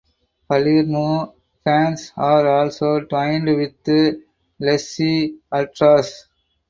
Palermo fans are also twinned with Lecce ultras.